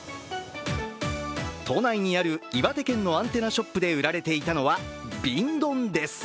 都内にある岩手県のアンテナショップで売られていたのは瓶ドンです。